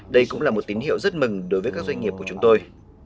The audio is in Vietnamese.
đây cũng là một tín hiệu rất mừng đối với các doanh nghiệp của chúng tôi